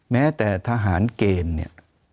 แม้แต่ทหารเกณฑ์เนี่ย